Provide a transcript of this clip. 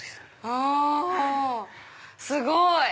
あすごい！